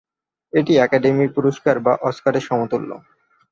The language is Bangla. এটি একাডেমি পুরস্কার বা অস্কারের সমতুল্য।